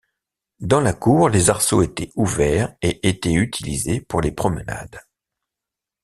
Dans la cour, les arceaux étaient ouverts et étaient utilisés pour les promenades.